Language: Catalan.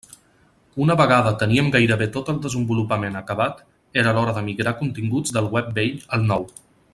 Una vegada teníem gairebé tot el desenvolupament acabat, era l'hora de migrar continguts del web vell al nou.